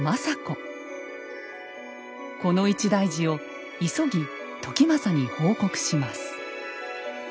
この一大事を急ぎ時政に報告します。